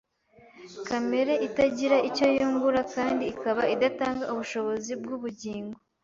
kamere itagira icyo yungura kandi ikaba idatanga ubushobozi bw'ubugingo